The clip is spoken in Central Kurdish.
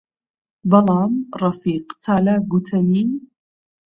بەڵام ڕەفیق چالاک گوتەنی: